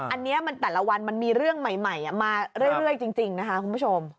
อันนี้มันแต่ละวันมันมีเรื่องใหม่มาเรื่อยจริงนะคะคุณผู้ชม